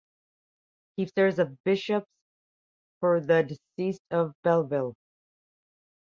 He serves as bishop for the Diocese of Belleville.